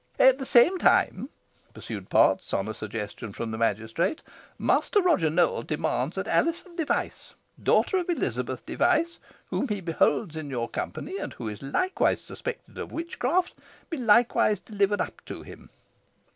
"At the same time," pursued Potts, on a suggestion from the magistrate, "Master Roger Nowell demands that Alizon Device, daughter of Elizabeth Device, whom he beholds in your company, and who is likewise suspected of witchcraft, be likewised delivered up to him."